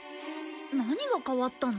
何が変わったの？